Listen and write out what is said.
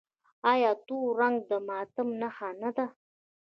آیا تور رنګ د ماتم نښه نه ده؟